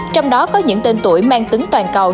trong đó có những tên tuổi mang tính toàn cầu